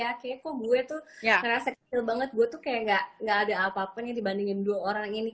kayaknya kok gue tuh ngerasa kecil banget gue tuh kayak gak ada apa apa nih dibandingin dua orang ini